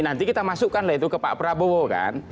nanti kita masukkan lah itu ke pak prabowo kan